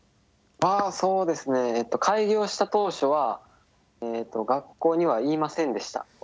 そうですね開業した当初は学校には言いませんでした。